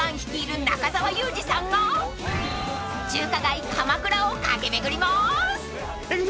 中澤佑二さんが中華街鎌倉を駆け巡ります］いくぞ！